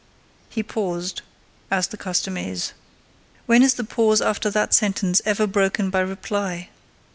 He paused, as the custom is. When is the pause after that sentence ever broken by reply?